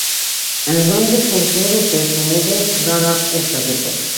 অ্যালবামটি সম্পূর্ণরূপে স্নোগন্স দ্বারা উত্পাদিত।